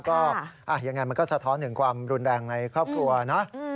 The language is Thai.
ก็ยังไงมันก็สะท้อนถึงความรุนแรงในครอบครัวเนอะ